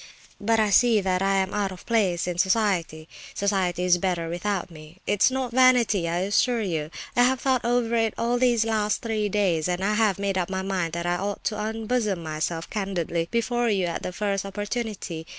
But I see that I am out of place in society—society is better without me. It's not vanity, I assure you. I have thought over it all these last three days, and I have made up my mind that I ought to unbosom myself candidly before you at the first opportunity.